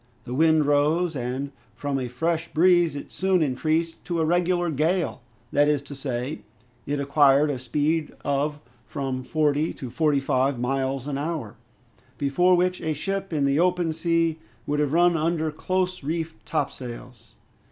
The wind rose, and from a fresh breeze it soon increased to a regular gale; that is to say, it acquired a speed of from forty to forty five miles an hour, before which a ship in the open sea would have run under close reefed topsails.